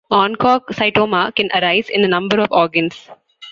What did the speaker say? Oncocytoma can arise in a number of organs.